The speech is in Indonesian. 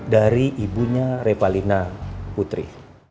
dari ibunya revalina putri